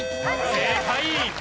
正解！